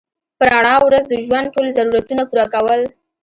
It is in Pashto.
په رڼا ورځ د ژوند ټول ضرورتونه پوره کول